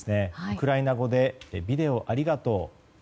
ウクライナ語でビデオありがとう。